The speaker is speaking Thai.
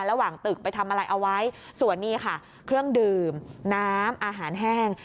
ระหว่างตึกไปทำอะไรเอาไว้ส่วนนี้ค่ะเครื่องดื่มน้ำอาหารแห้ง